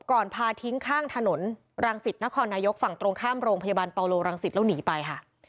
พาทิ้งข้างถนนรังสิตนครนายกฝั่งตรงข้ามโรงพยาบาลปาโลรังสิตแล้วหนีไปค่ะ